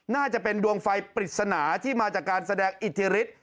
น่าจะเป็นดวงไฟปริศนาที่มาจากการแสดงอิทธิฤทธิ์